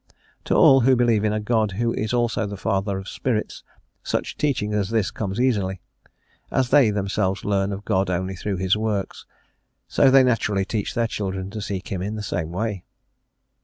To all who believe in a God who is also the Father of Spirits such teaching as this comes easily; as they themselves learn of God only through His works, so they naturally teach their children to seek Him in the same way.